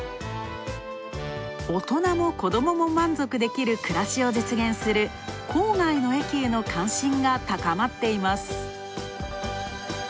大人も子どもも満足できる暮らしを実現する郊外の駅の関心が高まっています。